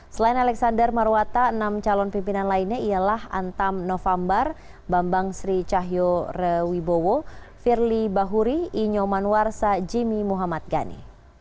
selain alexander marwata enam calon pimpinan lainnya ialah antam novambar bambang sri cahyo rewibowo firly bahuri inyoman warsa jimmy muhammad gani